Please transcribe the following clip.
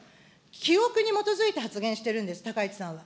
記憶に基づいて発言しているんです、高市さんは。